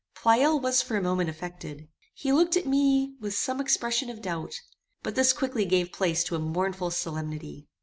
Pleyel was for a moment affected. He looked at me with some expression of doubt; but this quickly gave place to a mournful solemnity.